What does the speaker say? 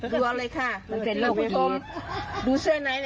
กลัวให้มาทำอะไร